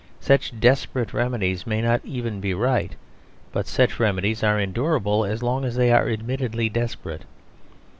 Such desperate remedies may not even be right; but such remedies are endurable as long as they are admittedly desperate.